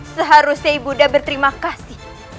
seharusnya ibu nda berterima kasih